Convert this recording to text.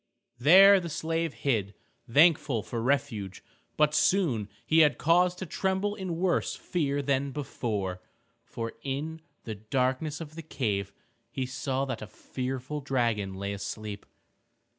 There the slave hid, thankful for refuge. But soon he had cause to tremble in worse fear than before, for in the darkness of the cave he saw that a fearful dragon lay asleep.